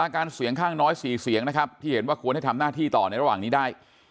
การเสียงข้างน้อย๔เสียงนะครับที่เห็นว่าควรให้ทำหน้าที่ต่อในระหว่างนี้ได้